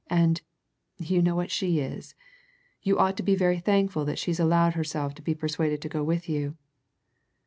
And you know what she is! you ought to be very thankful that she's allowed herself to be persuaded to go with you.